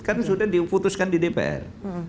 kan sudah diputuskan di dpr